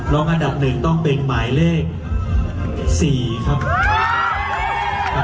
อันดับหนึ่งต้องเป็นหมายเลข๔ครับ